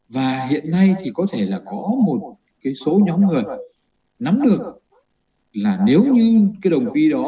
và hiện nay thì có thể là có một cái số nhóm người nắm được là nếu như cái đồng p đó